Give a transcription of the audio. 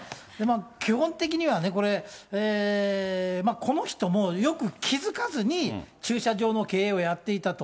基本的にはね、これ、この人もよく気付かずに駐車場の経営をやっていたと。